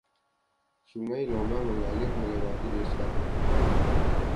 Sungai Lomná mengalir melewati desa.